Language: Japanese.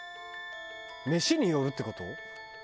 飯によるって事？